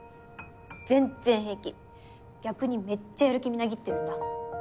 全然平気逆にめっちゃやる気みなぎってるんだ。